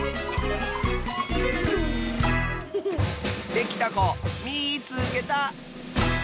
できたこみいつけた！